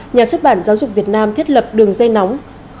nhà xuất bản giáo dục việt nam thiết lập đường dây nóng